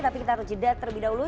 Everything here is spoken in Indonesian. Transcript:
tapi kita harus jeda terlebih dahulu